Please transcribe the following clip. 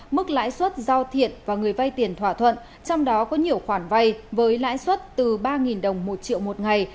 mức lãi suất do thiện và người vay tiền thỏa thuận trong đó có nhiều khoản vay với lãi suất từ ba đồng một triệu một ngày